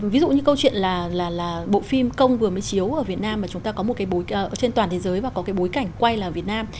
ví dụ như câu chuyện là bộ phim công vừa mới chiếu ở việt nam mà chúng ta có một cái trên toàn thế giới và có cái bối cảnh quay là việt nam